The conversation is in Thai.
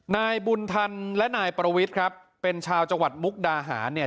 นายบุญทันและนายประวิทย์ครับเป็นชาวจังหวัดมุกดาหารเนี่ย